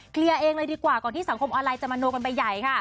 เคลียร์เองเลยดีกว่าก่อนที่สังคมออนไลน์จะมโนกันไปใหญ่ค่ะ